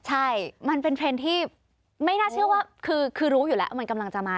ใช่มันเป็นเทรนด์ที่ไม่น่าเชื่อว่าคือรู้อยู่แล้วมันกำลังจะมา